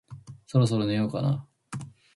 そろそろ寝ようかな